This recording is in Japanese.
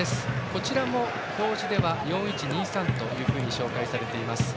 こちらも表示で４−１−２−３と紹介されています。